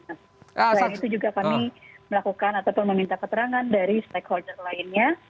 selain itu juga kami melakukan ataupun meminta keterangan dari stakeholder lainnya